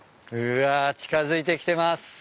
うわ近づいてきてます。